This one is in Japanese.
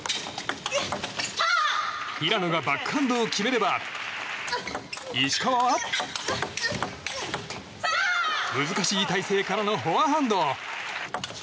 平野がバックハンドを決めれば石川は難しい体勢からのフォアハンド。